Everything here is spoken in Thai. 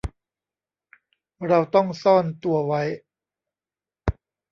เราต้องซ่อนตัวไว้